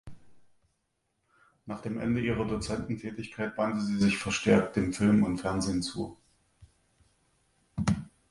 Nach dem Ende ihrer Dozententätigkeit wandte sie sich verstärkt dem Film und Fernsehen zu.